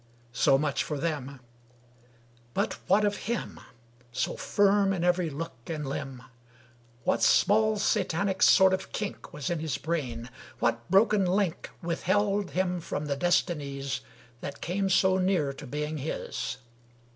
So much for them. But what of him So firm in every look and limb? What small satanic sort of kink Was in his brain? What broken link Withheld hom from the destinies That came so near to being his?